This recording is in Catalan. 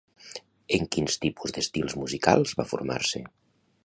En quins tipus d'estils musicals va formar-se?